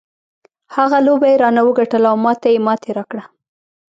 هغه لوبه یې رانه وګټله او ما ته یې ماتې راکړه.